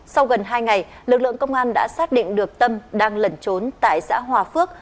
sau gần hai ngày lực lượng công an đã xác định được tâm đang lẩn trốn tại xã hòa phước